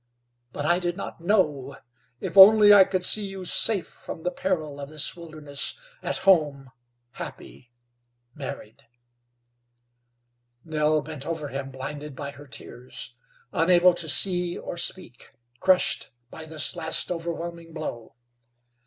But I did not know. If only I could see you safe from the peril of this wilderness, at home, happy, married." Nell bent over him blinded by her tears, unable to see or speak, crushed by this last overwhelming blow.